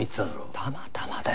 たまたまだよ。